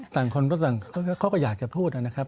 ต่างคนก็เขาก็อยากจะพูดนะครับ